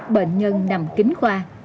bệnh nhân nằm kính khoa